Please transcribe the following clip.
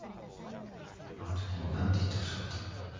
あんとき何て言ってほしかった？